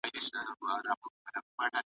تر يو څو جرګو را وروسته .